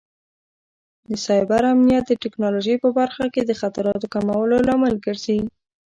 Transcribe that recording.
د سایبر امنیت د ټکنالوژۍ په برخه کې د خطراتو کمولو لامل ګرځي.